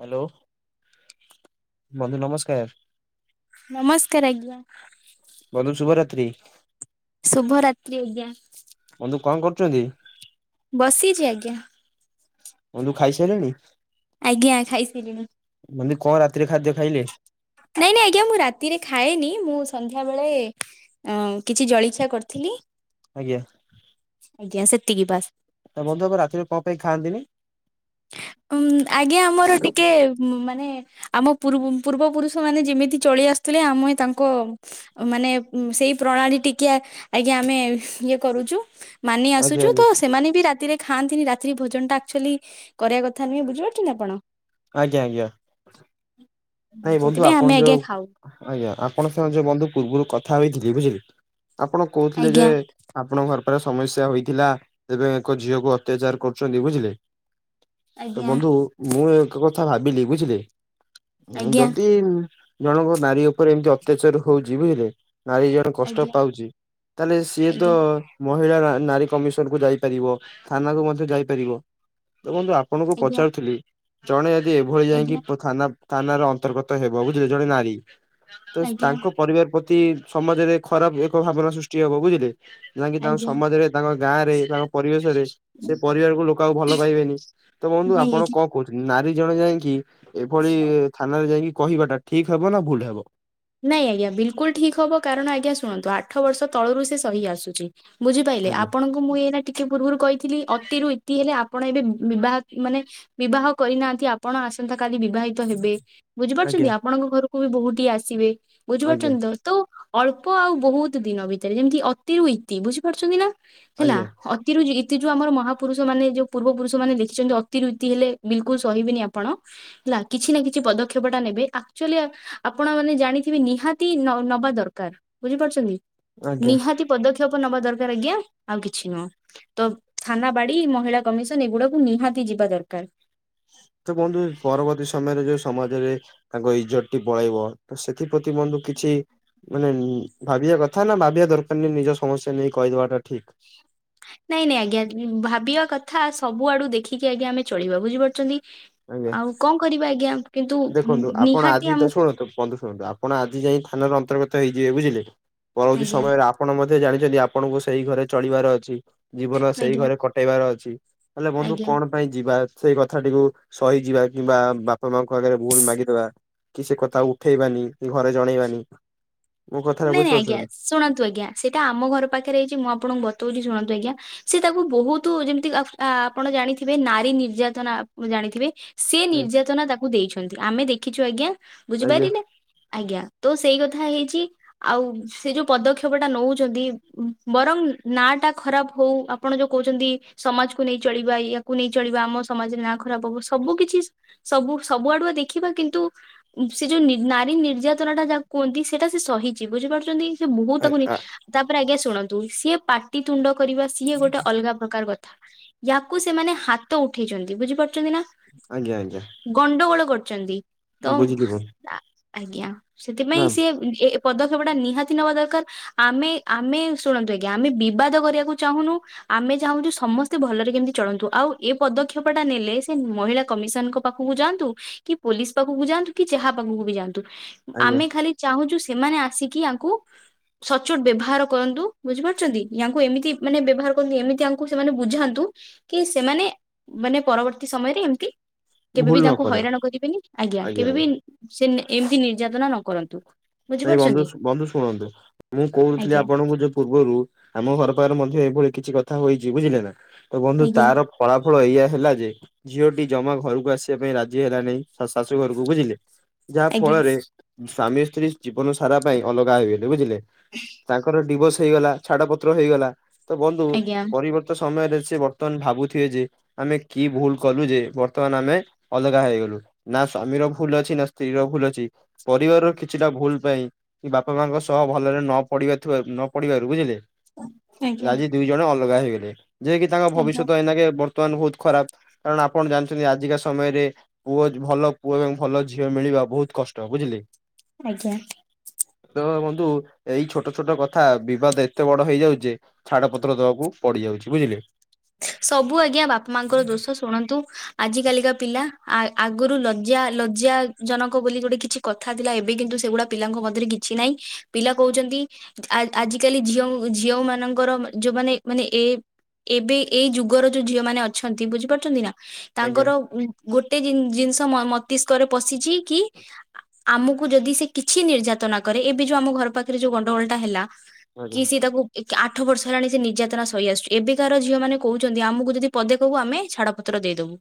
Hello, ବନ୍ଧୁ ନମସ୍କାର। ନମସ୍କାର ଆଜ୍ଞା। ବନ୍ଧୁ ଶୁଭରାତି। ଶୁଭ ରାତ୍ରି ଆଜ୍ଞା। ବନ୍ଧୁ କଣ କରୁଛନ୍ତି? ବସିଛି ଆଜ୍ଞା। ବନ୍ଧୁ ଖାଇସାରିଲେଣି? ଆଜ୍ଞା ଖାଇସାରିଲିଣି। ମାନେ କଣ ରାତିରେ ଖାଦ୍ୟ ଖାଇଲେ? ନାଇଁ ନାଇଁ ଆଜ୍ଞା ମୁଁ ରାତିରେ ଖାଏନି ମୁଁ ସନ୍ଧ୍ୟାବେଳେ ଅ କିଛି ଜଳିଖିଆ କରିଥିଲି। ଆଜ୍ଞା। ଆଜ୍ଞା ସେତିକି ବାସ୍। ତ ବନ୍ଧୁ [unintelligible] ରାତିରେ କଣ ପାଇଁ ଖଆନ୍ତିନି? ଉ ଆଜ୍ଞା ଆମର ଟିକେ ମାନେ ଆମ ପୂ ପୂର୍ବ ପୁରୁଷ ମାନେ ଯେମିତି ଚଳି ଆସୁଥିଲେ ଆମେ ତାଙ୍କ ମାନେ ସେଇ ପ୍ରଣାଳୀ ଟିକେ ଆଜ୍ଞା ଆମେ ଇଏ କରୁଛୁ। ମାନି ଆଜ୍ଞା ଆସୁଛୁ ଆଜ୍ଞା ତ ସେମାନେ ବି ରାତିରେ ଖାଆନ୍ତିନି ରାତ୍ରି ଭୋଜନ ଟା ଆଚୁଆଲି କରିବା କଥା ନୁହେଁ ବୁଝିପାରୁଛନ୍ତି ଆପଣ? ଆଜ୍ଞା ଆଜ୍ଞା ନାଇଁ ବନ୍ଧୁ ସେଥିପାଇଁ ଆପଣ ଆମେ ଯୋଉ ଆଜ୍ଞା ଖାଉ ଆଜ୍ଞା ଆପଣ ସେମାନେ ଯୋଉ ବନ୍ଧୁ ପୂର୍ବରୁ କଥା ହେଇଥିଲି ବୁଝିଲି ଆପଣ କହୁଥିଲେ ଯେ ଆଜ୍ଞା ଆପଣଙ୍କ ଘର ପାଖରେ ସମସ୍ୟା ହେଇଥିଲା ତେବେ ଏକ ଝିଅକୁ ଅତ୍ୟାଚାର କରୁଛନ୍ତି ବୁଝିଲେ। ତ ଆଜ୍ଞା ବନ୍ଧୁ ମୁଁ ଏକ କଥା ଭାବିଲି ବୁଝିଲେ ଆଜ୍ଞା ଯଦି ଜଣଙ୍କ ନାରୀ ଉପରେ ଏମିତି ଅତ୍ୟାଚାର ହଉଛି ବୁଝିଲେ। ନାରୀ ଜଣେ କଷ୍ଟ ଆଜ୍ଞା ପାଉଛି ତାହେଲେ ସିଏ ତ ଆଜ୍ଞା ମହିଳା ନାରୀ କମିଶନ କୁ ଯାଇପାରିବ ଥାନା କୁ ମଧ୍ୟ ଯାଇପାରିବ। ଦେଖନ୍ତୁ ଆପଣଙ୍କୁ ଆଜ୍ଞା ପଚାରୁଥିଲି ଜଣେ ଯଦି ଏଭଳି ଆଜ୍ଞା ଯାଇକି ଥାନା ଥାନାର ଅନ୍ତର୍ଗତ ହେବ ବୁଝିଲେ ଜଣେ ନାରୀ ତ ଆଜ୍ଞା ଆଜ୍ଞା ତାଙ୍କ ପରିବାର ପ୍ରତି ସମାଜରେ ଖରାପ ଏକ ଭାବନା ସୃଷ୍ଟି ହବ ବୁଝିଲେ। ଯାହାକି ତାଙ୍କ ଆଜ୍ଞା ସମାଜରେ ତାଙ୍କ ଗାଁ ରେ ତାଙ୍କ ପରିବେଶରେ ସେ ପରିବାରକୁ ଲୋକ ଆଉ ଭଲ ପାଇବେନି ତ ବନ୍ଧୁ ନାଇଁ ଆଜ୍ଞା ଆପଣ କଣ କହୁଛ ନାରୀ ଜଣେ ଯାଇକି ଏଭଳି ଥାନାରେ ଯାଇକି କହିବାଟା ଠିକ ହବ ନା ଭୁଲ ହବ। ନାଇଁ ଆଜ୍ଞା ବିଲକୁଲ ଠିକ୍ ହବ କାରଣ ଆଜ୍ଞା ଶୁଣନ୍ତୁ ଆଠ ବର୍ଷ ତଳରୁ ସେ ସହି ଆସୁଛି। ବୁଝିପାରିଲେ ଆଜ୍ଞା। ଆପଣଙ୍କୁ ମୁଁ ଏଇନା ଟିକେ ପୂର୍ବରୁ କହିଥିଲି ଅତିରୁ ଇତି ହେଲେ ଆପଣ ଏବେ ବିବାହ ମାନେ ବିବାହ କରିନାହାନ୍ତି ଆପଣ ଆସନ୍ତା କାଲି ବିବାହି ହେବେ ବୁଝିପାରୁଛନ୍ତି ଆଜ୍ଞା ଆପଣଙ୍କ ଘରକୁ ବି ବୋହୂ ଟିଏ ଆସିବେ ଆଜ୍ଞା ବୁଝିପାରୁଛନ୍ତି ତ। ତ ଅଳ୍ପ ଆଉ ବହୁତ ଦିନ ଭିତରେ ଯେମିତି ଅତି ରୁଇତି ବୁଝିପାରୁଛନ୍ତି ନା? ହେଲା। ଆଜ୍ଞା ତିଇତି ଯଉ ଆମର ମହାପୁରୁଷ ମାନେ ଯୋଉ ପୂର୍ବ ପୁରୁଷ ମାନେ ଲେଖିଛନ୍ତି ଅତି ରୁ ଇତି ହେଲେ ବିଲକୁଲ ସହିବେନି ଆପଣ। ହେଲା କିଛି ନା କିଛି ପଦକ୍ଷେପ ଟା ନେବେ ଆକ୍ଚୁଆଲି ଆପଣ ମାନେ ଜାଣିଥିବି ନିହାତି ନବା ଦରକାର ବୁଝିପାରୁଛନ୍ତି ଆଜ୍ଞା ନିହାତି ପଦକ୍ଷେପ ନବା ଦରକାର ଆଜ୍ଞା ଆଉ କିଛି ନୁହଁ। ତ ଥାନା ବାଡି ମହିଳା କମିଶନ ଏଗୁଡାକୁ ନିହାତି ଯିବା ଦରକାର। ତ ବନ୍ଧୁ ପରବର୍ତ୍ତୀ ସମୟରେ ଯୋଉ ସମାଜରେ ତାଙ୍କ ଇଜ୍ଜତ ଟି ପଳେଇବ ତ ସେଥିପ୍ରତି ବନ୍ଧୁ କିଛି ମାନେ ଭାବିବା କଥା ନା ଭାବିବା ଦରକାରନାଇଁ ନିଜ ସମସ୍ୟା ନେଇ କହିଦବାଟା ଠିକ। ନାଇଁ ନାଇଁ ଆଜ୍ଞା ଭାବିବା କଥା ସବୁ ଆଡୁ ଦେଖିକି ଆଜ୍ଞା ଆମେ ଚଳିବା ବୁଝିପାରୁଛନ୍ତି। ଆଜ୍ଞା। ଆଉ କଣ କରିବା ଆଜ୍ଞା। କିନ୍ତୁ ଦେଖନ୍ତୁ ଆପଣ ନିହାତି ଆଜି ଆମ ତ ଶୁଣନ୍ତୁ ବନ୍ଧୁ ଶୁଣନ୍ତୁ ଆପ ଆପଣ ଆଜି ଯାଇ ଥାନାରେ ଅନ୍ତର୍ଗତ ହେଇଯିବେ ବୁଝିଲେ ପରବର୍ତ୍ତୀ ଆଜ୍ଞା ସମୟରେ ଆପ ଆପଣ ମଧ୍ୟ ଜାଣିଛନ୍ତି ଆପଣଙ୍କୁ ସେଇ ଘରେ ଚଳିବାର ଅଛି। ଜୀବନ ସେଇ ଆଜ୍ଞା ଘରେ କଟେଇବାର ଅଛି ହେଲେ ବନ୍ଧୁ ଆଜ୍ଞା। କଣ ପାଇଁ ଯିବା ସେଇ କଥାଟିକୁ ସହିଯିବା କିମ୍ବା ବାପା ମାଙ୍କ ଆଗରେ ଭୁଲ ମାଗିଦବା। କି ସେ କଥା ଉଠେଇବାନି କି ଘରେ ଜଣେଇବାନି। ମୋ କଥାଟା ନାଇଁ ନାଇଁ ଆଜ୍ଞା ବୁଝିପାରୁଛନ୍ତି ଶୁଣନ୍ତୁ ଆଜ୍ଞା ସେଟା ଆମ ଘର ପାଖରେ ହେଇଛି ମୁଁ ଆପଣଙ୍କୁ ଵତଉଛି ଶୁଣନ୍ତୁ ଆଜ୍ଞା। ସେ ତାକୁ ବହୁତ ଯେମିତି ଆପଣ ଜାଣିଥିବେ ନାରୀ ନିର୍ଯାତନା ଜାଣିଥିବେ। ସେ ନିର୍ଯାତନା ତାକୁ ଦେଇଛନ୍ତି ଆମେ ଦେଖିଛୁ ଆଜ୍ଞା ଆଜ୍ଞା। ବୁଝିପାରିଲେ। ଆଜ୍ଞା ତୋ ସେଇ କଥା ହେଇଚି। ଆଉ ସେ ଯୋଉ ପଦକ୍ଷେପ ଟା ନଉଛନ୍ତି ବରଂ ନା ଟା ଖରାପ ହଉ ଆପଣ ଯୋଉ କହୁଛନ୍ତି ସମାଜକୁ ନେଇ ଚଳିବା ୟାକୁ ନେଇ ଚଳିବା ଆମ ସମାଜରେ ନାଁ ଖରାପ ହବ ସବୁ କିଛି- ସବୁ ସବୁଆଡୁଆ ଦେଖିବା କିନ୍ତୁ ସେ ଯୋଉ ନି ନାରୀ ନିର୍ଯାତନାଟା ଯାହାକୁ କୁହନ୍ତି ସେଟା ସେ ସହି ବୁଝିପାରୁଛନ୍ତି ସେ ମୁହୁଁ ତାକୁନି ଆଜ୍ଞା ତାପରେ ଆଜ୍ଞା ଶୁଣନ୍ତୁ ସିଏ ପା ପାଟି ତୁଣ୍ଡ କରିବା ସିଏ ଗୋଟେ ଅଲଗା ପ୍ରକାର କ ୟାକୁ ସେମାନେ ହାତ ଉଠେଇଛନ୍ତି ବୁଝିପାରୁଛନ୍ତି ନା। ଆଜ୍ଞା ଆଜ୍ଞା। ଗଣ୍ଡଗୋଳ କରୁଚନ୍ତି ତ ବୁଝିଲି ମୁଁ ଆଜ୍ଞା ନା ସେଥିପାଇଁ ସିଏ ପଦକ୍ଷେପ ଟା ନିହାତି ନେବା ଦରକାର ଆମେ ଆମେ ଶୁଣନ୍ତୁ ଆଜ୍ଞା ଆମେ ବିବାଦ କରିବାକୁ ଚାହୁଁନୁ। ଆମେ ଚାହୁଁଛୁ ସମସ୍ତେ ଭଲରେ କେମିତି ଚଳନ୍ତୁ ଆଉ ଏ ପଦକ୍ଷେପ ଟା ନେଲେ ସେ ମହିଳା କମିଶନଙ୍କ ପାଖକୁ ଯାଆନ୍ତୁ କି ପୋଲିସ ପାଖକୁ ଯାଆନ୍ତୁ କି ଯାହା ପାଖକୁ ଯାଆନ୍ତୁ ଆଜ୍ଞା ଆମେ ଖାଲି ଚାହୁଁଚୁ ସି ସେମାନେ ଆସିକି ଆଙ୍କୁ ସଚୋଟ ବ୍ୟବହାର କରନ୍ତୁ, ବୁଝିପାରୁଛନ୍ତି ୟାଙ୍କୁ ଏମିତି ମାନେ ବ୍ୟବହାର କରନ୍ତନ୍ତିୁ ଏମିତିଙ୍କୁ ସେମାନେ ବୁଝାନ୍ତୁ। କି ସେମାନେ ମାନେ, ପରବର୍ତ୍ତୀ ସମୟରେ ଏମତି କେବେ ଭୁଲ ବିି ନ ତାଙ୍କୁ କର ହଇରାଣ କରିବେନି, ଆଜ୍ଞା, କେବେ ବିି ସେ ଏମିତି ନିର୍ଯାତନା ନ କରନ୍ତୁ। ଭାଇ ବନ୍ଧୁ, ବୁଝିପାରୁଛନ୍ତି ବନ୍ଧୁ, ଶୁଣନ୍ତୁ ମୁଁ କହୁଥିଲି ଆଜ୍ଞା ଆପଣଙ୍କୁ ଯଦି ପୂର୍ବରୁ ଆମ ଘର ପାଖରେ ମଧ୍ୟ ଏଇଭଳି କିଛି କଥା ହୋଇଛି, ବୁଝିଲେ ନା ତ ବନ୍ଧୁ ଆଜ୍ଞା ତାର, ଫଳାଫଳ ଏଇଆ ହେଲା ଯେ ଝିଅଟି ଜମା ଘରକୁ ଆସିବା ପାଇଁ ରାଜି ହେଲା ନେଇଁ। ଶ ଶାଶୁ ଘରକୁ ବୁଝିଲେ ଯାହା ଆଜ୍ଞା ଫଳରେ ସ୍ଵାମୀ ସ୍ତ୍ରୀ ଜୀବନ ସାରା ପାଇଁ ଅଲଗା ହେଇଗଲେ ବୁଝିଲେ ତାଙ୍କର ଡିଭୋର୍ସ ହେଇଗଲା ଛାଡପତ୍ର ହେଇଗଲା। ତ ବନ୍ଧୁ ଆଜ୍ଞା ପରିବର୍ତ୍ତ ସମୟରେ ସେ ବର୍ତ୍ତମାନ ଭାବୁଥିବେ ଯେ ଆମେ କି ଭୁଲ କଲୁ ଯେ ବର୍ତ୍ତମାନ ଆମେ ଅଲଗା ହେଇଗଲୁ। ନା ସ୍ଵାମୀର ଭୁଲ ଅଛି ନା ସ୍ତ୍ରୀ ର ଭୁଲ ଅଛି। ପରିବାରର କିଛିଟା ଭୁଲ ପାଇଁ କି ବାପା ମାଙ୍କ ସହ ଭଲରେ ନ ପଡିବାଥିବା ନ ପଡିବାରୁ ବୁଝିଲେ। ଆଜ୍ଞା ଆଜି ଦୁଇ ଜଣ ଅଲଗା ହେଇଗଲେ ଯ କିି ତାଙ୍କ ଆଜ୍ଞା ଭବିଷ୍ୟତ ଏଇନାକେ ବର୍ତ୍ତମାନ ବହୁତ ଖରାପ। କାରଣ ଆପଣ ଜାଣିଛନ୍ତି ଆଜିକା ସମୟରେ ପୁଅ ଭଲ ପୁଅ ଏବଂ ଭଲ ଝିଅ ମିଳିବା ବହୁତ କଷ୍ଟ ବୁଝିଲେ। ଆଜ୍ଞା। ତ ବନ୍ଧୁ ଏଇ ଛୋଟ ଛୋଟ କଥା ବିବାଦ ଏତେ ବଡ ହେଇଯାଉଛିଯେ ଛାଡ ପତ୍ର ଦବାକୁ ପଡିଯାଉଛି ବୁଝିଲେ? ସବୁ ଆଜ୍ଞା ବାପା ମାଆଙ୍କର ଦୋଷ ଶୁଣନ୍ତୁ ଆଜି କାଲିକା ପିଲା। ଆ ଆଗରୁ ଲଜ୍ଜା ଲଜ୍ଜା ଜନକ ବୋଲି ଗୋଟେ କିଛି କଥା ଥିଲା ଏବେ କିନ୍ତୁ ସେଗୁଡା ପିଲାଙ୍କ ମଧ୍ୟରେ କି କିଛି ନାଇଁ ପିଲା କହୁଛନ୍ତି। ଆ ଆଜିକାଲି ଝିଅ ଝିଅ ମାନଙ୍କର ଯୋଉମାନେ ମାନେ ଏ ଏବେ ଏଇ ଯୁଗର ଯୋଉ ଝିଅ ମାନେ ଅଛନ୍ତି ବୁଝିପାରୁଛନ୍ତି ନା ଆଜ୍ଞା ତାଙ୍କର ଉ ଗୋଟେ ଜିନିଷ ମସ୍ତିଷ୍କରେ ପଶିଛି କି ଆମକୁ ଯଦି ସେ କିଛି ନିର୍ଯାତନା କରେ ଏବେ ଯୋଉ ଆମ ଘର ପାଖରେ ଯୋଉ ଗଣ୍ଡଗୋଳଟା ହେଲା। ଆଜ୍ଞା କି ସିଏ ତାକୁ ଆଠ ବର୍ଷ ହେଲାଣି ସେ ନିର୍ଯାତନା ସହିଆସୁଛି ଏବେ କାର ଝିଅମାନେ କହୁଛନ୍ତି ଆମକୁ ଯଦି ପଦେ କହିବୁ ଆମେ ଛାଡ ପତ୍ର ଦେଇଦବୁ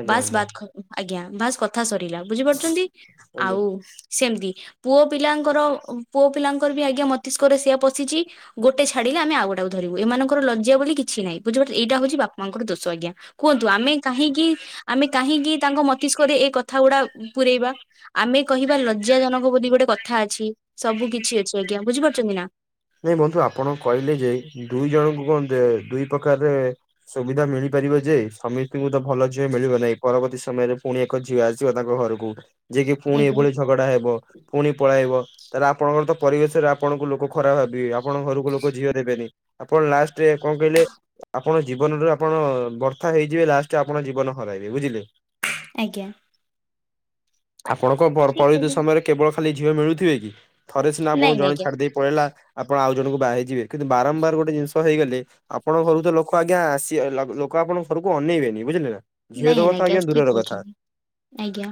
ଆଜ୍ଞା ବାସ୍ ବା ଆଜ୍ଞା [unintelligible] ଆଜ୍ଞା ବାସ୍ କଥା ସରିଲା ବୁଝିପାରୁଛନ୍ତି ଆଜ୍ଞା। ଆଉ ସେମିତି ପୁଅ ପିଲାଙ୍କର ପୁଅ ପିଲାଙ୍କର ବି ଆଜ୍ଞା ମସ୍ତିଷ୍କରେ ସେଇଆ ପଶିଛି। ଗୋଟେ ଛାଡିଲେ ଆମେ ଆଉ ଗୋଟେ ଧରିବୁମାନଙ୍କ ଲଜା ବୋଲି କିଛି ହିଁ ବୁଝିପାରିଲ ଏଇଟା ହଉଛି ବାପା ମାଙ୍କର ଦୋଷ ଆଜ୍ଞା। କୁହନ୍ତୁ ଆମେ କାହିଁକି ଆମେ କାହିଁକି ତାଙ୍କ ମସ୍ତିଷ୍କରେ ଏଇ କଥା ଗୁଡା ପୁରେଇବା ଆମେ କହିବା ଲଜ୍ଜାଜନକ ବୋଲି ଗୋଟେ କଥା ଅଛି ସବୁ କିଛି ଅଛି ଆଜ୍ଞା ବୁଝିପାରୁଛନ୍ତି ନା? ନାଇଁ ବନ୍ଧୁ ଆପଣ କହିଲେ ଯେ ଦୁଇ ଜଣଙ୍କୁ କଣ ଦୁଇ ପ୍ରକାରରେ ସୁବିଧା ମିଳିପାରିବ ଯେ ସମିସ୍ତିଙ୍କୁ ତ ଭଲ ଝିଅ ମିଳିବ ନାହିଁ ପରବର୍ତି ସମୟରେ ଫୁଣି ତାଙ୍କ ଝିଅ ଆସିବ ତାଙ୍କ ଘରକୁ ଯିଏ କିି ପୁଣି ଆଜ୍ଞା। ଏଭଳି ଝଗଡା ହେବ ପୁଣି ପଳାଇବ। ତାହେଲେ ଆପଣଙ୍କର ତ ପରିବେଶରେ ଆପଣଙ୍କୁ ଲୋକ ଖରାପ ଭାବିବେ ଆପଣଙ୍କ ଘରକୁ ଲୋକ ଝିଅ ଦେବେନି। ଆପଣ ଲାଷ୍ଟରେ କଣ କହିଲେ ଆପଣ ଜୀବନ ରୁ ଆପଣ ବର୍ଥା ହେଇଯିବେ ଲାଷ୍ଟ ଆପଣ ଜୀବନ ହରାଇବେ ବୁଝିଲେ? ଆଜ୍ଞା। ଆପଣଙ୍କ ବର୍ ଠିକ୍ ପରିମିତ କହୁଛନ୍ତି ସମୟରେ କେବଳ ଖାଲି ଝିଅ ମିଳୁଥିବେ କି ଥରେ ସିନା ଆପଣଙ୍କୁ ନାଇଁ ଜଣେ ଆଜ୍ଞା। ଛାଡିଦେଇ ପଳେଇଲା ଆପଣ ଆଉ ଜଣଙ୍କୁ ବାହାହେଇଯିବେ କିନ୍ତୁ ବାରମ୍ବାର ଗୋଟେ ଜିନିଷ ହେଇଗଲେ ଆପଣଙ୍କ ଘରୁକୁ ତ ଲୋକ ଆଜ୍ଞା ଆସି ଲ ଲୋକ ଆପଣଙ୍କ ଘରକୁ ଅନେଇବେନି ବୁଝିଲେ ନା? ଝିଅ ନାଇଁ ଦବତ ଆଜ୍ଞା ଠିକ୍ ଦୂରର କଥା। କହୁଛନ୍ତି ଆଜ୍ଞା।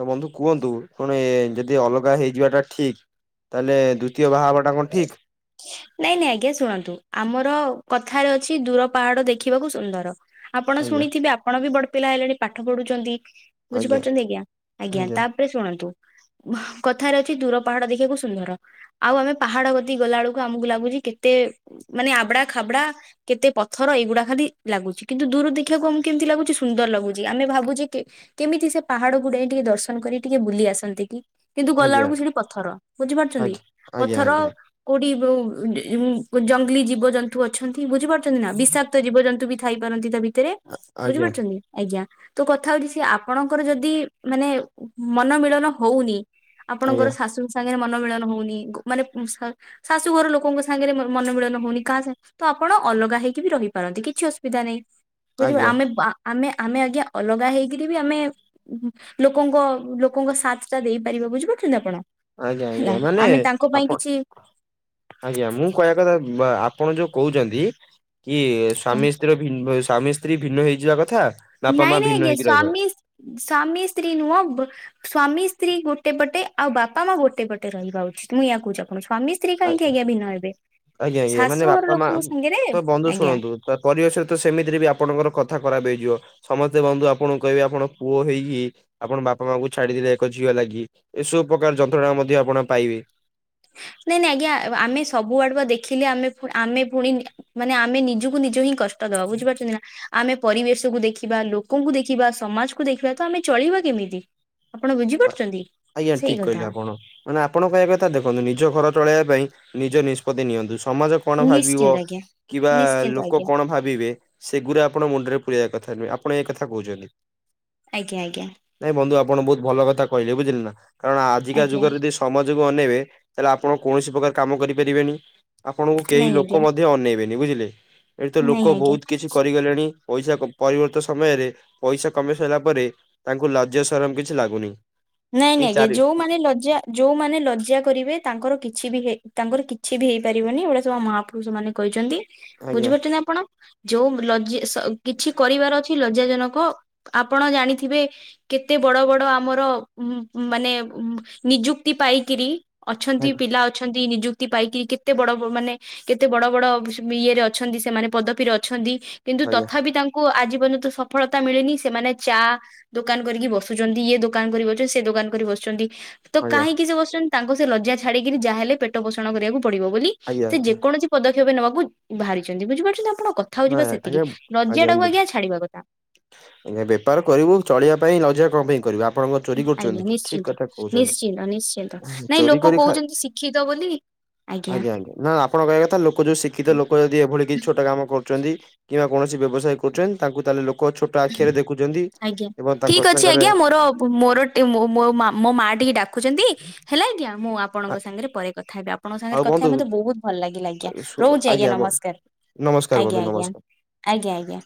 ତ ବନ୍ଧୁ କୁଅନ୍ତୁ କଣ ଯଦି ଅଲଗା ହେଇଯିବା ଟା ଠିକ୍‌ ତାହେଲେ ଦ୍ବିତୀୟ ବାହାହବା ଏଟା କଣ ଠିକ? ନାଇଁ ନାଇଁ ଆଜ୍ଞା ଶୁଣନ୍ତୁ ଆମର କଥାରେ ଅଛି ଦୂର ପାହାଡ ଦେଖିବାକୁ ସୁନ୍ଦର। ଆପଣ ଆଜ୍ଞା ଶୁଣିଥିବେ ଆପଣ ବି ବଡପିଲା ହେଲେଣି ପାଠ ପଢୁଚନ୍ତି। ବୁଝିପାରୁଚନ୍ତି ଆଜ୍ଞା, ଆଜ୍ଞା ତା ପରେ ଶୁଣନ୍ତୁ କଥାରେ ଅଛି ଦୂର ପାହାଡ ଦେଖିବାକୁ ସୁନ୍ଦର ଆଉ ଆମେ ପାହାଡ କତିକି ଗଲାବେଳୁକୁ ଆମକୁ ଲାଗୁଛି କେତେ ମାନେ ଆବ୍‌ଡା ଖାବ୍‌ଡା। କେତେ ପଥର ଏଇଗୁଡା ଖାଲି ଲାଗୁଛି କିନ୍ତୁ ଦୂର ଦେଖିଆକୁ ଆମକୁ କେମିତି ଲାଗୁଛି ସୁନ୍ଦର ଲାଗୁଛି ଆମେ ଭାବୁଛେ କି କେମିତି ସେ ପାହାଡକୁୁ ଡେଇଁକି ଟିକେ ଦର୍ଶନ କରି ଟିକେ ବୁଲି ଆସନ୍ତି କି? କିନ୍ତୁ ଗଲା ଆଜ୍ଞା ବେଳୁକୁ ସେଠି ପଥର ବୁଝିପାରୁଛନ୍ତି ଆଜ୍ଞା ଆଜ୍ଞା ପଥର ଆଜ୍ଞା କୋଉଠି ଯୋଉ [inaudible] ଜଙ୍ଗଲୀ ଜୀବଜନ୍ତୁ ଅଛନ୍ତି ବୁଝିପାରୁଛନ୍ତି ନା ବିଷା ତ ଜୀବଜନ୍ତୁ ବି ଥାଇ ପାରନ୍ତି ତା ଭିତରେ ଆଜ୍ଞା ବୁଝିପାରୁଛନ୍ତି? ଆଜ୍ଞା ତୋ କଥା ହଉଛି ସେ ଆପଣଙ୍କର ଯଦି ମାନେ ମନମିଳନ ହଉନି ଆପଣଙ୍କର ଆଜ୍ଞା ଶାଶୁଙ୍କ ସାଙ୍ଗରେ ମନ ମିିଳନ ହଉନି ଗ ମାନେ ଶା ଶାଶୁ ଘର ଲୋକଙ୍କ ସାଙ୍ଗରେ ମୋର ମନ ମିଳନ ହଉନି କାହା ସାଙ୍ଗ ତ ଆପଣ ଅଲଗା ହେଇକି ବି ରହିିପାରନ୍ତି କିଛି ଅସୁବିଧା ନାହିଁ ବୁଝିପା ଆଜ୍ଞା ଆମେ ଆ ଆମେ ଆମେ ଆଜ୍ଞା ଅଲଗା ହେଇକିରି ବି ଆମେ ଉଁ ଲୋକଙ୍କ ଲୋକଙ୍କ ସାଥ୍ ଟା ଦେଇପାରିବେ ବୁଝିପାରୁଛନ୍ତି ଆପଣ? ଆଜ୍ଞା ହେଲା ଆଜ୍ଞା ମାନେ ଆମେ ତାଙ୍କ ପାଇଁ ଆପଣ କିଛି ଆଜ୍ଞା ମୁଁ କହିବା କଥା ଆପଣ ଯୋଉ କହୁଛନ୍ତି କି ସ୍ଵାମୀ ସ୍ୱାମୀ ସ୍ତ୍ରୀ ଭିନ୍ନ ହେଇଯିବା କଥା? ବାପା ମା ନାଇଁ ନାଇଁ ଭିନ୍ନ ଆଜ୍ଞା ହେଇକି ରହିବା ସ୍ଵାମୀ ସ୍ଵାମୀ ସ୍ତ୍ରୀ ନୁହଁ ସ୍ଵାମୀ ସ୍ତ୍ରୀ ଗୋଟେ ପଟେ ଆଉ ବାପା ମା ଗୋଟେ ପଟେ ରହିବା ଉଚିତ ମୁଁ ଏୟା କହୁଛି ଆପଣଙ୍କୁ ସ୍ଵାମୀ ସ୍ତ୍ରୀ ସ୍ତ୍ରୀ ଆ କାହିଁକି ଆଜ୍ଞା ଭିନ୍ନ ହେବେ ଆଜ୍ଞା ଆଜ୍ଞା ମାନେ ଶାଶୁଘର ବାପା ମା ଲୋକଙ୍କ ସାଙ୍ଗରେ ବନ୍ଧୁ ଆଜ୍ଞା। ଶୁଣନ୍ତୁ ତ ପରିବେଶରେ ତ ସେମିତିରେ ବି ଆପଣଙ୍କର କଥା ଖରାପ ହେଇଯିବ। ସମସ୍ତେ ବନ୍ଧୁ ଆପଣଙ୍କୁ କହିବେ ଆପଣଙ୍କ ପୁଅ ହେଇକି ଆପଣ ବାପା ମାଆଙ୍କୁ ଛାଡିଦେଲେ ଏକ ଝିଅ ଲାଗି ଏସବୁ ପକାର ଯନ୍ତ୍ରଣା ମଧ୍ୟ ଆପଣ ପାଇବେ। ନାଇଁ ନାଇଁ ଆଜ୍ଞା ଆମେ ସବୁ ଆଡେ ପା ଦେଖିଲେ ଆମେ ଆମେ ଫୁ ଆମେ ଫୁଣି ମାନେ ଆମେ ନିଜକୁ ନିଜ ହିଁ କଷ୍ଟ ଦବା ବୁଝିପାରୁଚନ୍ତି ନା? ଆମେ ପରିବେଶକୁ ଦେଖିବା, ଲୋକଙ୍କୁ ଦେଖିବା, ସମାଜକୁ ଦେଖିବା ତ ଆମେ ଚଳିବା କେମିତି? ଆପଣ ବୁଝିପାରୁଚନ୍ତି ଆଜ୍ଞା ଠିକ ସେଇ କହିଲେ କଥା? ଆପଣ ମାନେ ଆପଣ କହିବା କଥା ଦେଖନ୍ତୁ ନିଜ ଘର ଚଳେଇବା ପାଇଁ ନିଜ ନିଷ୍ପତି ନିଅନ୍ତୁ ସମାଜ କଣ ଭାବିବ ନିଶ୍ଚିନ୍ତ ଆଜ୍ଞା। କିବା ନିଶ୍ଚିନ୍ତ ଲୋକ ଆଜ୍ଞା କଣ ଭାବିବେ ସେଗୁରା ଆପଣ ମୁଣ୍ଡରେ ପୂରେଇଆ କଥା ନୁହେଁ ଆପଣ ଏ କଥା କୋଉଚନ୍ତି। ଆଜ୍ଞା ଆଜ୍ଞା। ନାଇଁ ବନ୍ଧୁ ଆପଣ ବହୁତ୍‌ ଭଲ କଥା କହିଲେ ବୁଝିଲେ ନା କାରଣ ଆଜିକା ଆଜ୍ଞା ଯୁଗରେ ଦି ସମାଜକୁ ଅନେଇବେ ତାହାଲେ ଆପଣ କୌଣସି ପ୍ରକାର କାମ କରିପାରିବେନି ଆପଣଙ୍କୁ କେହି ନାଇଁ ଲୋକ ଆଜ୍ଞା ମଧ୍ୟ ଅନେଇବେନି ବୁଝିଲେ। ଏଇ ତ ନାଇଁ ଲୋକ ଆଜ୍ଞା। ବହୁତ କିଛି କରିଗଲେଣି ପଇସା ପରିବର୍ତ୍ତ ସମୟରେ ପଇସା କମେଇ ସାଇଲା ପରେ ତାଙ୍କୁ ଲାଜ୍ୟ ସରମ କିଛି ଲାଗୁନି। ନାଇଁ କି ନାଇଁଜ୍ଞା ଚାରି ଯୋଉମାନେ ଲଜ୍ୟା ଯୋଉମାନେ ଲଜ୍ଜା କରିବେ ତାଙ୍କର କିଛି ବି ହେଇ ତାଙ୍କର କିଛି ବି ହେଇପାରିବନି ଏଉରା ସବୁ ମହାପୁରୁଷ ମାନେ କହିଛନ୍ତି। ଆଜ୍ଞା ବୁଝିପାରୁଚନ୍ତି ଆପଣ ଯୋଉ ଲଜି ସ କିଛି କରିବାର ଅଛି ଲଜ୍ଜା ଜନକ ଆପଣ ଜାଣିଥିବେ କେତେ ବଡ ବଡ ଆମର ଉ ମାନେ ନିଯୁକ୍ତି ପାଇକିରି ଅଛନ୍ତି ଆଜ୍ଞା ପିଲା ଅ ଅଛନ୍ତି ନିଯୁକ୍ତି ପାଇକି କେତେ ବଡ ମାନେ କେତେ ବଡ ବଡ ଇଏରେ ଅଛନ୍ତି ସେମାନେ ପଦପିରେ ଅଛନ୍ତି କିନ୍ତୁ ତଥାପି ତାଂ କୁ ଆଜି ପର୍ଯ୍ୟନ୍ତ ସଫଳତା ମିଳିନି ସେମାନେ ଚା ଦୋକାନ୍ କରିକି ବସୁଚନ୍ତି ଇଏ ଦୋକାନ୍ କରିକି ବ ରେ ସେ ଦୋକାନ୍ କରି ବସୁଚନ୍ତି ତ ଆଜ୍ଞା କାହିଁକି ସେ ବସୁଚନ୍ ତାଙ୍କୁ ସେ ଲଜ୍ଜା ଛାଡ଼ିକିରି ଯାହେଲେ ପେଟ ପୋଷଣ କରିବାକୁ ପଡିବ ବୋଲି ଆଜ୍ଞା ସେ ଯେକୌଣସି ପଦକ୍ଷେପ ନବାକୁ ବାହାରିଛନ୍ତି ବୁଝିପାରୁଛନ୍ତି ଆପଣ କଥା ନା ହୋଉଯିବା ସେତିକି ଆଜ୍ଞା ଲଜ୍ଜା ମୁଁ ଟାକୁ ବୁଝୁ ଆଜ୍ଞା ଛାଡ଼ିବା କଥା। ଆଜ୍ଞା ବେପାର କରିବୁ ଚଳିବା ପାଇଁ ଲଜା କଁ ପାଇଁ କରିବୁ ଆ ଆପଣଙ୍କ ଚୋରି ଆଜ୍ଞା କରୁଚନ୍ତି କି ଠିକ୍ ନିଶ୍ଚିନ୍ତ। କଥା ନିଶ୍ଚିନ୍ତ ନିଶ୍ଚିନ୍ତ କୋଉଚନ୍ତି ନାଇଁ ଚୋରି ଲୋକ କରି ଖାଏ କହୁଛନ୍ତି ଶିକ୍ଷିତ ବୋଲି ଆଜ୍ଞା ଆଜ୍ଞା ନା ଆପଣ କହିଆ କଥା ଲୋକ ଯୋଉ ଶିକ୍ଷିତ ଲୋକ ଯେ ଏଭଳି କିଛି ଛୋଟ କାମ କରୁଚନ୍ତି କିମ୍ବା କୌଣସି ବ୍ୟବସାୟ କରୁଚନ୍ତି ତାଙ୍କୁ ତାହାଲେ ଲୋକ ଛୋ ଟ ଆଖିଆରେ ଦେଖୁଚନ୍ତି ଏବଂ ତାଙ୍କ ସାଙ୍ଗରେ ର ମୋର ଏ ମୋ ମୋ ମା ମୋ ମା ଟିକେ ଡାକୁଚନ୍ତି ହେଲା ଆଜ୍ଞା ମୁଁ ଆପଣଙ୍କ ଆ- ସାଙ୍ଗରେ ପରେ କଥା ହେବି ଆ ଆପଣଙ୍କ ସାଙ୍ଗରେ ଆଉ କଥା ବନ୍ଧୁ ହେଇ ମତେ ବୋହୁତ୍ ଭଲ୍ ଲାଗିଲା ଆଜ୍ଞା ଶୁ- ରୋହୁଚି ଆଜ୍ଞା ବ- ନମସ୍କାର୍ ନମସ୍କାର ଆଜ୍ଞା ବନ୍ଧୁ ଆଜ୍ଞା। ନମସ୍କାର। ଆଜ୍ଞା ଆଜ୍ଞା।